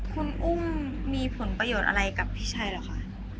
คุณอุ้มมีผลประโยชน์อะไรกับพี่ชัยเหรอคะ